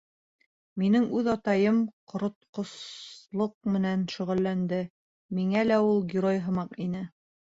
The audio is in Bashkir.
Минең үҙ атайым ҡоротҡослоҡ менән шөғөлләнде, миңә лә ул герой һымаҡ ине.